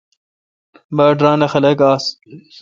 باڑ ران اؘ خلق آس ۔